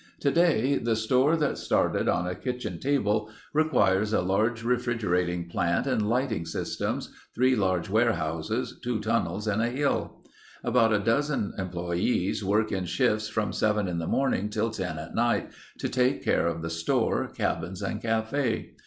Today the store that started on a kitchen table requires a large refrigerating plant and lighting system, three large warehouses, two tunnels in a hill. About a dozen employees work in shifts from seven in the morning till ten at night, to take care of the store, cabins, and cafe.